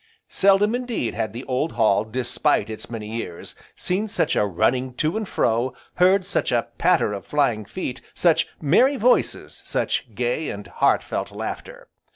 Seldom indeed had the old hall despite its many years, seen such a running to and fro, heard such a patter of flying feet, such merry voices, such gay, and heart felt laughter.